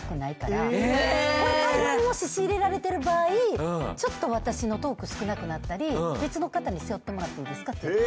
これ大量にもし仕入れられてる場合ちょっと私のトーク少なくなったり別の方に背負ってもらっていいですかって。